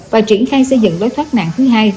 và triển khai xây dựng lối thoát nạn thứ hai